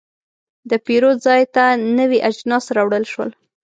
د پیرود ځای ته نوي اجناس راوړل شول.